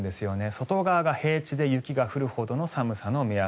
外側が平地で雪が降るほどの寒さの目安。